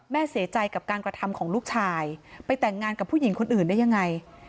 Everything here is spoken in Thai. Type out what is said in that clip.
เสียใจกับการกระทำของลูกชายไปแต่งงานกับผู้หญิงคนอื่นได้ยังไง